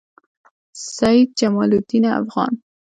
سعید جمالدین افغان